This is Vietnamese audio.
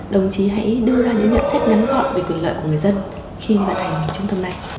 đồng chí hãy đưa ra những nhận xét ngắn gọn về quyền lợi của người dân khi mà thành trung tâm này